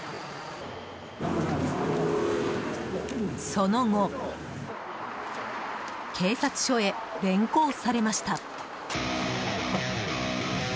その後警察署へ連行されました。